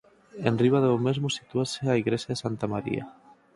Enriba do mesmo sitúase a igrexa de Santa María.